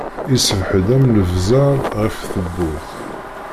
Iṣbeḥ-d am lebzeṛ ɣef teṛbut.